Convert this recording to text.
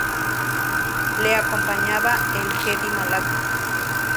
Le acompañaba el jedi Malak.